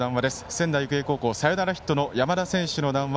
仙台育英高校サヨナラヒットの山田選手の談話